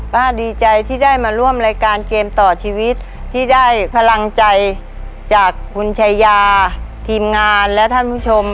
ดีใจที่ได้มาร่วมรายการเกมต่อชีวิตที่ได้พลังใจจากคุณชายาทีมงานและท่านผู้ชม